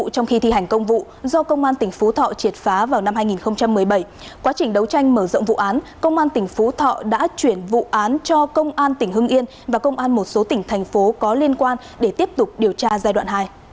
trong khi mở rộng vụ án công an tỉnh phú thọ đã chuyển vụ án cho công an tỉnh hưng yên và công an một số tỉnh thành phố có liên quan để tiếp tục điều tra giai đoạn hai